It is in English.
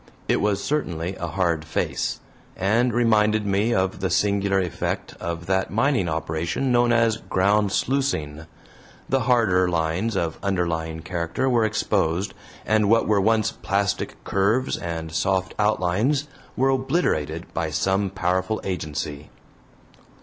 It was certainly a hard face, and reminded me of the singular effect of that mining operation known as "ground sluicing"; the harder lines of underlying character were exposed, and what were once plastic curves and soft outlines were obliterated by some powerful agency.